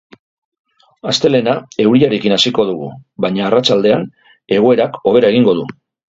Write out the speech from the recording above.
Astelehena euriarekin hasiko dugu, baina arratsaldean egoerak hobera egingo du.